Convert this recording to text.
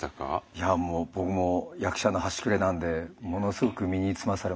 いやもう僕も役者の端くれなんでものすごく身につまされます。